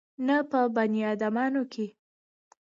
نه په بنيادامانو کښې.